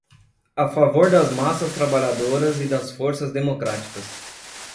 a favor das massas trabalhadoras e das forças democráticas